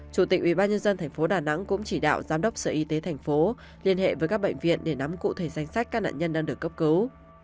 chủ tịch ubnd tp đà nẵng cũng chỉ đạo giám đốc sở y tế thành phố liên hệ với các bệnh viện để nắm cụ thể danh sách các nạn nhân đang được cấp cứu